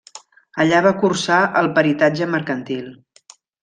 Allà va cursar el peritatge mercantil.